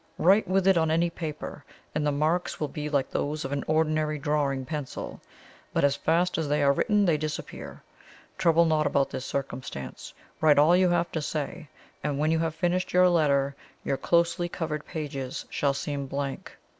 Write with it on any paper, and the marks will be like those of an ordinary drawing pencil; but as fast as they are written they disappear. Trouble not about this circumstance write all you have to say, and when you have finished your letter your closely covered pages shall seem blank.